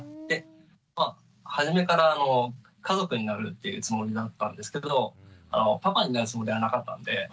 でまあ初めから家族になるっていうつもりだったんですけどパパになるつもりはなかったんで。